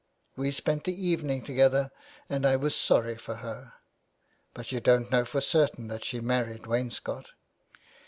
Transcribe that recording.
" We spent the evening together and I was sorry for her.'' " But you don't know for certain that she married Wainscott."